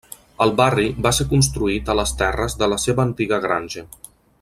El barri va ser construït a les terres de la seva antiga granja.